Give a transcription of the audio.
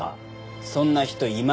そんな人います？